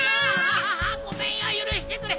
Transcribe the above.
あごめんよゆるしてくれ。